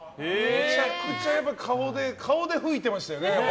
めちゃくちゃ顔で吹いてましたよね。